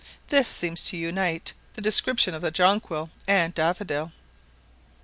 This seems to unite the description of the jonquil and daffodil.